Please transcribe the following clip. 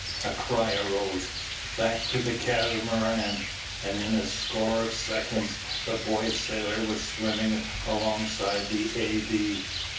A cry arose, "Back to the Catamaran!" and in a score of seconds the boy sailor was swimming alongside the A.B.